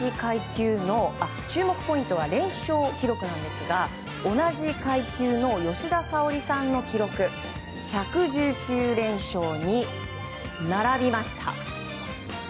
注目ポイントは連勝記録ですが同じ階級の吉田沙保里さんの記録１１９連勝に並びました。